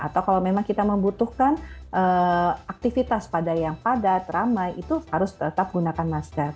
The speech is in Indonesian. atau kalau memang kita membutuhkan aktivitas pada yang padat ramai itu harus tetap gunakan masker